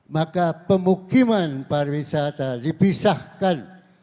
maka pemukiman pariwisata dipisahkan